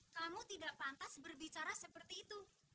kamu tidak pantas berbicara seperti itu